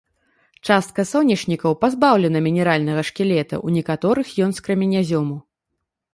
Частка сонечнікаў пазбаўлена мінеральнага шкілета, у некаторых ён з крэменязёму.